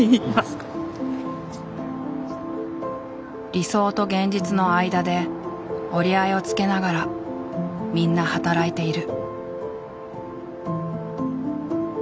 理想と現実の間で折り合いをつけながらみんな働いている。